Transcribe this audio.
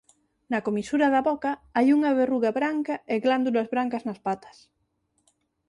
Na comisura da boca hai unha verruga branca e glándulas brancas nas patas.